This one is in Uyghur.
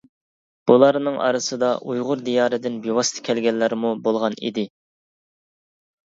بۇلارنىڭ ئارىسىدا ئۇيغۇر دىيارىدىن بىۋاسىتە كەلگەنلەرمۇ بولغان ئىدى.